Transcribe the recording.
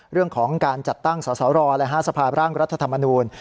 เรื่องของการจัดตั้งสสรสภาพร่างรัฐธรรมนูล